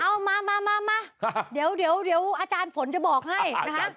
เอามามาเดี๋ยวอาจารย์ฝนจะบอกให้นะคะ